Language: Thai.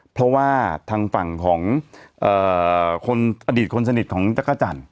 เพราะว่าทางฝั่งของคนอดีตคนสนิทของจักรจันทร์